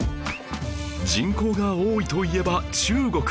人口が多いといえば中国